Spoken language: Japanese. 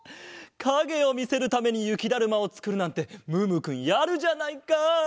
かげをみせるためにゆきだるまをつくるなんてムームーくんやるじゃないか。